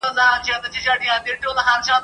نو دا شعرونه یې د چا لپاره لیکلي دي؟ ,